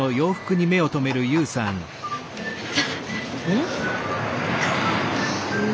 うん？